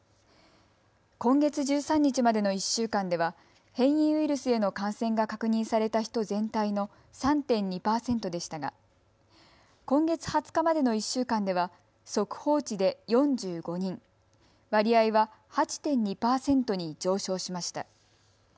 今月１３日までの１週間では変異ウイルスへの感染が確認された人全体の３．２％でしたが今月２０日までの１週間では速報値で４５人、割合は８．２％に上昇しました。